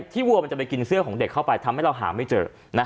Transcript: วัวมันจะไปกินเสื้อของเด็กเข้าไปทำให้เราหาไม่เจอ